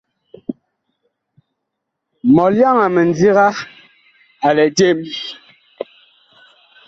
Mɔlyaŋ a mindiga a lɛ jem.